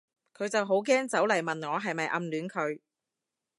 佢就好驚走嚟問我係咪暗戀佢